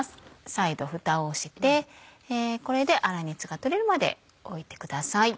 再度ふたをしてこれで粗熱がとれるまでおいてください。